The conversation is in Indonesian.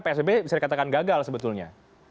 psbb bisa dikatakan gagal sebetulnya